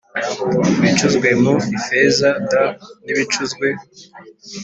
ibicuzwe mu ifeza d n ibicuzwe